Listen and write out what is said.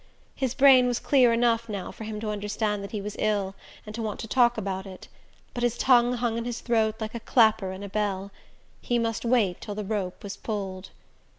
His brain was clear enough now for him to understand that he was ill, and to want to talk about it; but his tongue hung in his throat like a clapper in a bell. He must wait till the rope was pulled...